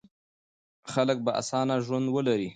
خلک به اسانه ژوند ولري.